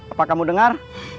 apa kamu dengar